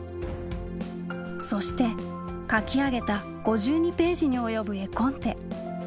そして描き上げた５２ページに及ぶ絵コンテ。